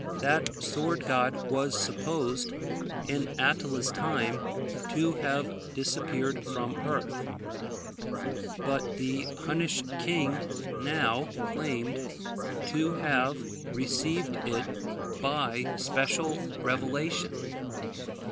That sword God was supposed, in Attila's time, to have disappeared from earth; but the Hunnish king now claimed to have received it by special revelation.